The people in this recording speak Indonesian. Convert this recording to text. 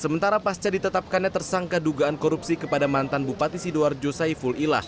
sementara pasca ditetapkannya tersangka dugaan korupsi kepada mantan bupati sidoarjo saiful ilah